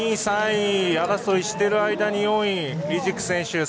２位、３位争いしている間に４位、リジク選手